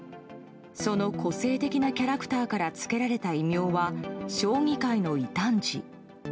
その個性的なキャラクターからつけられた異名は将棋界の異端児。